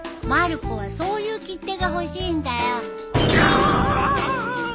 まる子はそういう切手が欲しいんだよ。